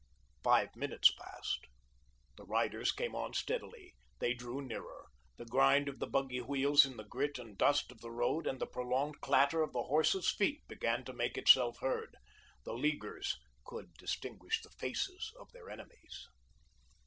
Five minutes passed. The riders came on steadily. They drew nearer. The grind of the buggy wheels in the grit and dust of the road, and the prolonged clatter of the horses' feet began to make itself heard. The Leaguers could distinguish the faces of their enemies.